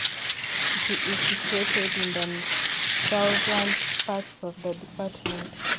It is situated in the southern parts of the department.